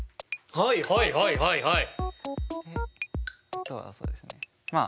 はいはいはいはいはい。